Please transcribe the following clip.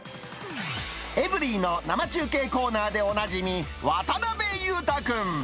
エブリィの生中継コーナーでおなじみ、渡辺裕太君。